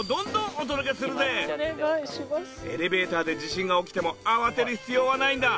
エレベーターで地震が起きても慌てる必要はないんだ。